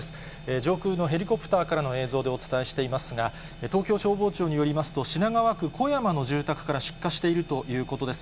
上空のヘリコプターからの映像でお伝えしていますが、東京消防庁によりますと、品川区小山の住宅から出火しているということです。